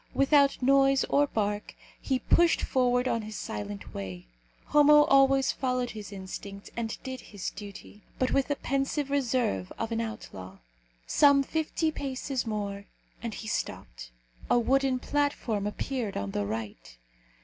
Without noise or bark he pushed forward on his silent way. Homo always followed his instinct and did his duty, but with the pensive reserve of an outlaw. Some fifty paces more, and he stopped. A wooden platform appeared on the right.